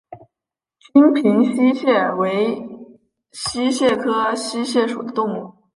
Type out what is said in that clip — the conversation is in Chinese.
金平溪蟹为溪蟹科溪蟹属的动物。